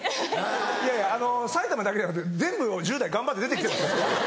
いや埼玉だけじゃなくて全部の１０代頑張って出て来てますよ。